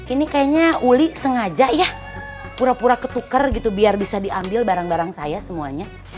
ini kayaknya uli sengaja ya pura pura ketuker gitu biar bisa diambil barang barang saya semuanya